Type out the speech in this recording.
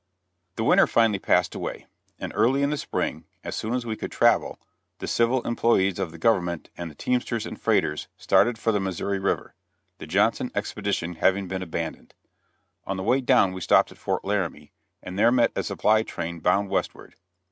The winter finally passed away, and early in the spring, as soon as we could travel, the civil employees of the government, with the teamsters and freighters, started for the Missouri river; the Johnson expedition having been abandoned. On the way down we stopped at Fort Laramie, and there met a supply train bound westward.